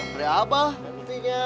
kira abah berikutnya